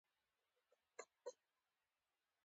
پوره یوه اونۍ مې د تاند په لوستلو هلې ځلې کولې.